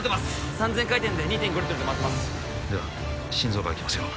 ３０００回転で２．５リットルで回ってますでは心臓側いきますよ